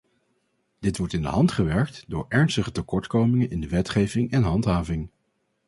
Dit wordt in de hand gewerkt door ernstige tekortkomingen in de wetgeving en handhaving.